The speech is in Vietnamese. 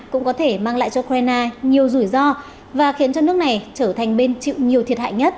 cũng có thể mang lại cho ukraine nhiều rủi ro và khiến cho nước này trở thành bên chịu nhiều thiệt hại nhất